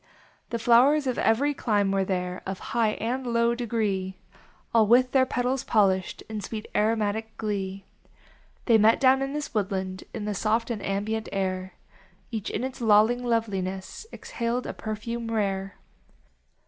The flowers of every clime were there. Of high and low degree. All with their petals polished, In sweet aromatic glee. They met down in this woodland In the soft and ambient air. Ivach in its lolling loveliness, Exhaled a perfume rare.